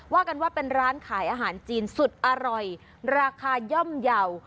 ว่ากันว่าเป็นร้านขายอาหารจีนสุดอร่อยราคาย่อมเยาว์